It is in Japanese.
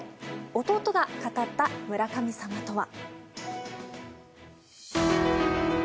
弟が語った村神様とは。